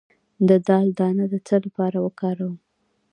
د دال دانه د څه لپاره وکاروم؟